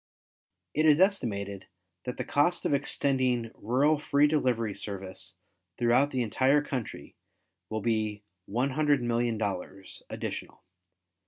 It is estimated that the cost of extending rural free delivery service throughout the entire country will be $100,000,000, additional.